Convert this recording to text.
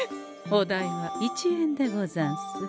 お代は１円でござんす。